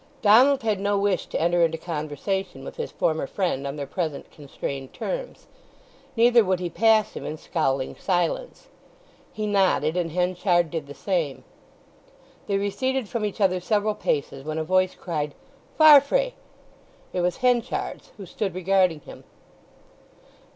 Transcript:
Donald had no wish to enter into conversation with his former friend on their present constrained terms; neither would he pass him in scowling silence. He nodded, and Henchard did the same. They receded from each other several paces when a voice cried "Farfrae!" It was Henchard's, who stood regarding him.